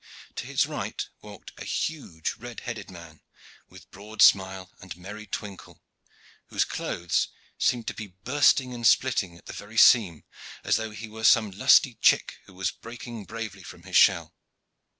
To his right walked a huge red headed man, with broad smile and merry twinkle, whose clothes seemed to be bursting and splitting at every seam, as though he were some lusty chick who was breaking bravely from his shell.